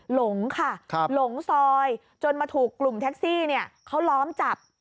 หลงค่ะหลงซอยจนมาถูกกลุ่มแท็กซี่เขาล้อมจับ